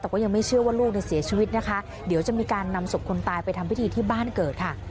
แต่ก็ยังไม่เชื่อว่าลูกเนี่ยเสียชีวิตนะคะเดี๋ยวจะมีการนำศพคนตายไปทำพิธีที่บ้านเกิดค่ะ